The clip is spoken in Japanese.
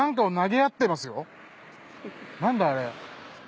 何だあれ？